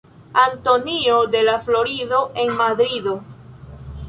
Antonio de La Florido en Madrido.